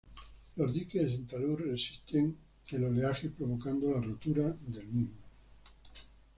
Los diques en talud resisten el oleaje provocando la rotura del mismo.